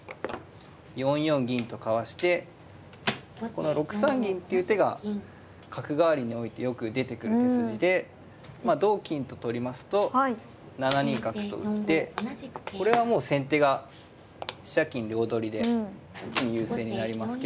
この６三銀っていう手が角換わりにおいてよく出てくる手筋で同金と取りますと７二角と打ってこれはもう先手が飛車金両取りで一気に優勢になりますけど。